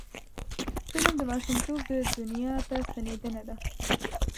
فلم د ماشومتوب دنیا ته ستنیدنه ده